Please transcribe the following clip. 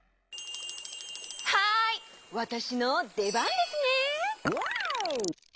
はいわたしのでばんですね！